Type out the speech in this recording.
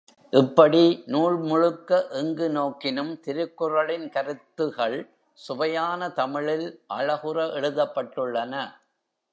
இப்படி நூல் முழுக்க எங்கு நோக்கினும் திருக்குறளின் கருத்துகள் சுவையான தமிழில் அழகுற எழுதப்பட்டுள்ளன.